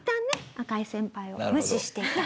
赤井先輩を無視していた。